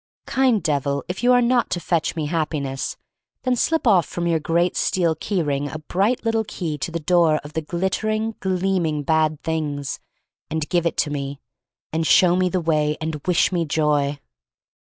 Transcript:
Kind Devil, if you are not to fetch me Happiness, then slip off from your great steel key ring a bright little key to the door of the glittering, gleaming bad things, and give it me, and show me the way, and wish me joy.